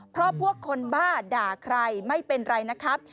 เพราะพวกคนบ้าด่าใครไม่เป็นไรนะครับ